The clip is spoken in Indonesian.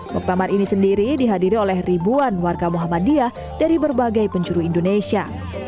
muktamar ini sendiri dihadiri oleh ribuan warga muhammadiyah dari berbagai penjuru indonesia